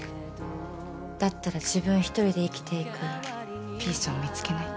だったら自分一人で生きていくピースを見つけないと。